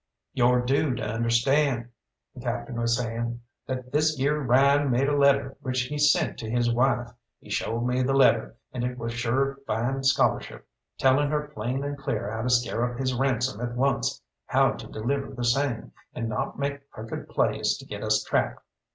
"Yo're due to understand," the Captain was saying, "that this yere Ryan made a letter which he sent to his wife. He showed me the letter, and it was sure fine scholarship, telling her plain and clear how to scare up his ransom at once, how to deliver the same, and not make crooked plays to get us trapped.